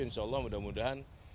insya allah mudah mudahan